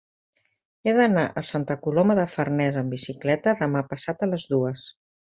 He d'anar a Santa Coloma de Farners amb bicicleta demà passat a les dues.